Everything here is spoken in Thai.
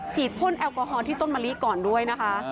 พ่นแอลกอฮอลที่ต้นมะลิก่อนด้วยนะคะ